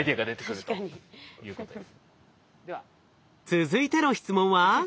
続いての質問は？